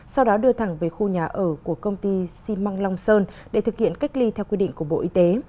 sau đó đưa thẳng về khu nhà ở của công ty xi măng long sơn để thực hiện cách ly theo quy định của bộ y tế